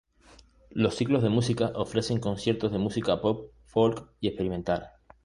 Los ciclos de música ofrecen conciertos de música pop, folk y experimental.